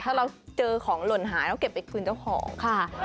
ถ้าเราเจอของหล่นหายเราเก็บไปคืนเจ้าของค่ะ